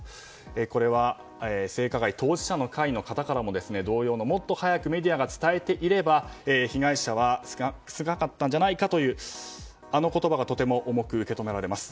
これは性加害当事者の会の方からも同様の、もっと早くメディアが伝えていれば被害者は少なかったんじゃないかというあの言葉がとても重く受け止められます。